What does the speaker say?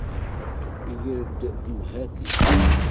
Greɣ-d nnhati.